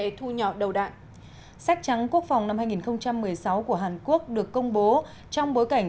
của các cộng đạo đầu đại sách trắng quốc phòng năm hai nghìn một mươi sáu của hàn quốc được công bố trong bối cảnh